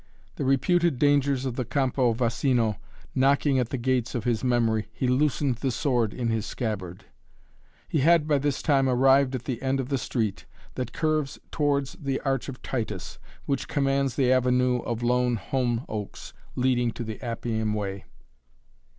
The reputed dangers of the Campo Vaccino knocking at the gates of his memory, he loosened the sword in his scabbard. He had, by this time, arrived at the end of the street, that curves towards the Arch of Titus, which commands the avenue of lone holm oaks, leading towards the Appian Way.